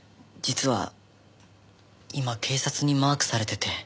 実は今警察にマークされてて。